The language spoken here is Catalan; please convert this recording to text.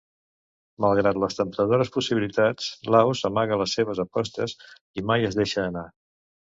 Malgrat les temptadores possibilitats, Laws amaga les seves apostes i mai es deixa anar.